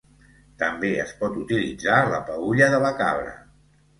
També es pot utilitzar la peülla de la cabra.